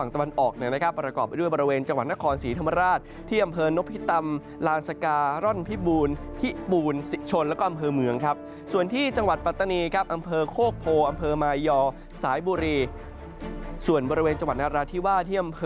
ส่วนบริเวณจังหวัดนราธิวา